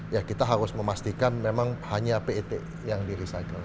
ya kita harus memastikan memang hanya pet yang di recycle